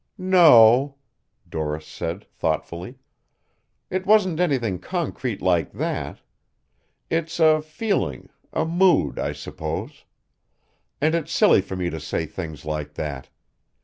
"No," Doris said thoughtfully. "It wasn't anything concrete like that. It's a feeling, a mood, I suppose. And it's silly for me to say things like that.